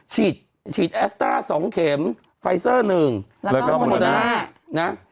ฉีดฉีดแอสต้า๒เข็มไฟเซอร์๑แล้วก็โมน่านะ